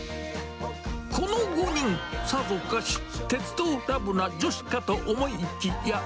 この５人、さぞかし鉄道ラブな女子かと思いきや。